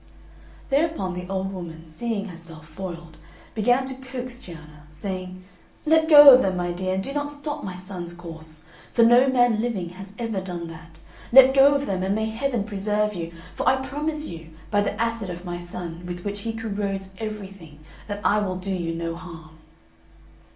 Thereupon the old woman, seeing herself foiled, began to coax Cianna, saying, "Let go of them, my dear, and do not stop my son's course; for no man living has ever done that. Let go of them, and may Heaven preserve you! for I promise you, by the acid of my son, with which he corrodes everything, that I will do you no harm."